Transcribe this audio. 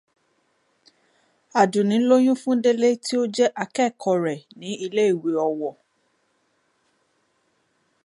Àdùnní lóyún fún Délé tí ó jé akẹ́kọ̀ọ́ rẹ̀ ní ilé ìwé Ọ̀wọ̀.